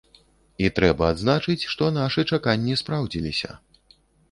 І трэба адзначыць, што нашы чаканні спраўдзіліся.